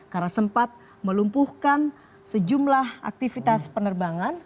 karena sempat melumpuhkan sejumlah aktivitas penerbangan